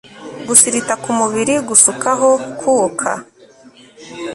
gusirita ku mubiri gusukaho kwuka